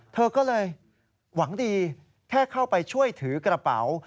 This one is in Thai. เธอก็เลยหวังดีแค่เข้าไปช่วยถือกระเป๋า